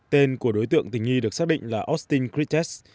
tên của đối tượng tình nghi được xác định là austin kretes